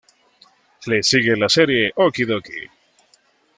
Le sigue la serie "Oki Doki".